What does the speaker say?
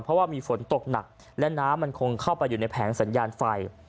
เพราะว่ามีฝนตกหนักและน้ำมันคงเข้าไปอยู่ในแผงสัญญาณไฟ